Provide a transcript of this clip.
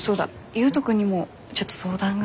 悠人君にもちょっと相談が。